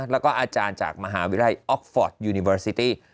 แล้วก็อาจารย์จากมหาวิทยาลัยออกฟอร์ตยูนิเวอร์ซิตี้